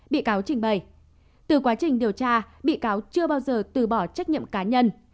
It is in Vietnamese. bị cáo trình bày từ quá trình điều tra bị cáo chưa bao giờ từ bỏ trách nhiệm cá nhân